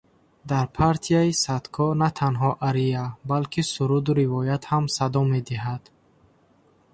Дар партияи Садко на танҳо ария, балки суруду ривоят ҳам садо медиҳад.